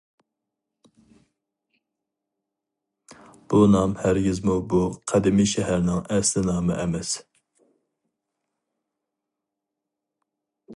بۇ نام ھەرگىزمۇ بۇ قەدىمىي شەھەرنىڭ ئەسلى نامى ئەمەس.